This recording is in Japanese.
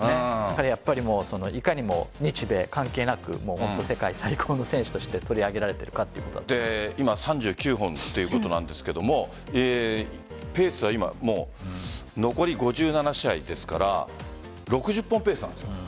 やっぱりいかにも日米関係なく世界最高の選手として取り上げられるか今３９本ということなんですがペースは今残り５７試合ですから６０本ペースなんです。